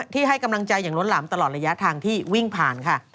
ให้กำลังใจอย่างล้นหลามตลอดระยะทางที่วิ่งผ่านค่ะ